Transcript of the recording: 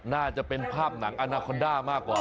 น่าจะเป็นภาพหนังอนาคอนด้ามากกว่า